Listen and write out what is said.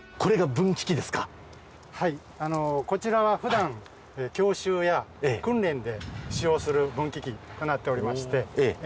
はいこちらは普段教習や訓練で使用する分岐器となっておりまして。